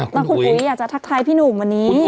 คุณอุ๊ยอยากจะทักทายพี่หนูวันนี้